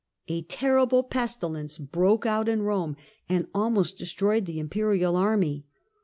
A terrible pestilence broke out in Eome, and almost destroyed the imperial army.